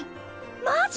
マジ！？